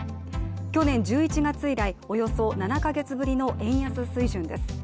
去年１１月以来およそ７か月ぶりの円安水準です。